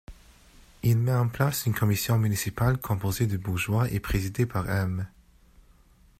Il met en place une commission municipale composée de bourgeois et présidée par Hême.